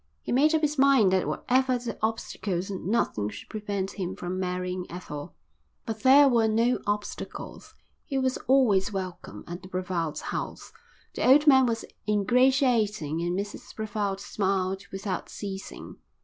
He made up his mind that whatever the obstacles nothing should prevent him from marrying Ethel. But there were no obstacles. He was always welcome at the Brevalds' house. The old man was ingratiating and Mrs Brevald smiled without ceasing.